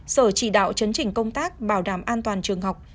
sở chỉ đạo chấn chỉnh công tác bảo đảm an toàn trường học